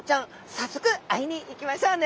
早速会いに行きましょうね。